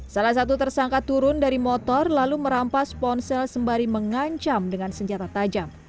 salah satu tersangka turun dari motor lalu merampas ponsel sembari mengancam dengan senjata tajam